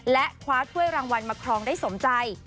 และคว้าถ้วยรางวัลมาครองได้สมใจ